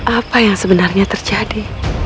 apa yang sebenarnya terjadi